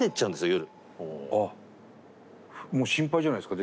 もう心配じゃないですか？